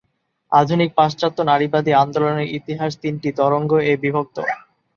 আধুনিক পাশ্চাত্য নারীবাদী আন্দোলনের ইতিহাস তিনটি "তরঙ্গ"-এ বিভক্ত।